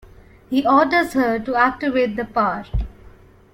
He orders her to activate the power.